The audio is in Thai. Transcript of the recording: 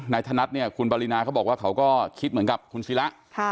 ธนัดเนี่ยคุณปรินาเขาบอกว่าเขาก็คิดเหมือนกับคุณศิละ